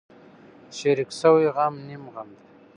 شریک شوی غم نیم غم دی.